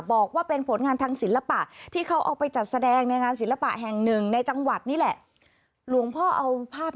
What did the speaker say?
บอกว่าเป็นผลงานทางศิลปะ